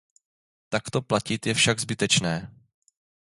Takto platit je však zbytečné.